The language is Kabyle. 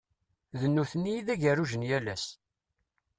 D nutni i d ageruj n yal ass.